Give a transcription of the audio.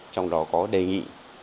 trong đó có đề nghị